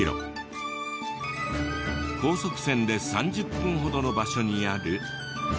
高速船で３０分ほどの場所にある。